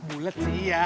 bulet sih ya